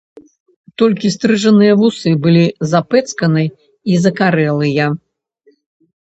Толькі стрыжаныя вусы былі запэцканы і закарэлыя.